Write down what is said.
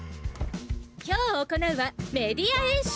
今日行うは「メディア演習」。